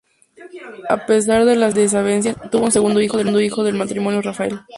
A pesar de las desavenencias tuvo un segundo hijo del matrimonio, Rafael.